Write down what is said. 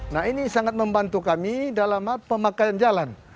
nah ini sangat membantu kami dalam pemakaian jalan